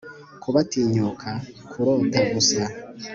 Kubatinyuka kurota gusa